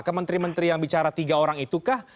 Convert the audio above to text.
ke menteri menteri yang bicara tiga orang itukah